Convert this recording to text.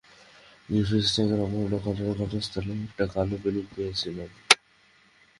Griffin স্ট্যাগের অপহরণের ঘটনায়ও ঘটনাস্থলে একটা কালো বেলুন পেয়েছিলাম।